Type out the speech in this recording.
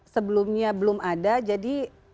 sebelumnya belum ada jadi